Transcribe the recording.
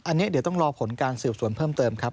อันนี้เดี๋ยวต้องรอผลการสืบสวนเพิ่มเติมครับ